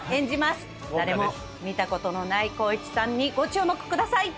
誰も見たことのない光一さんにご注目ください！